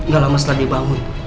gak lama setelah dia bangun